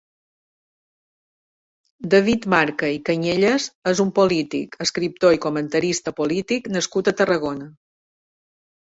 David Marca i Cañellas és un polític, escriptor i comentarista polític nascut a Tarragona.